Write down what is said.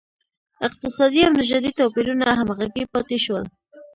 اقتصادي او نژادي توپیرونه همغږي پاتې شول.